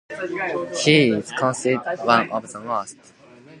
He is considered one of the most important European jazz musicians.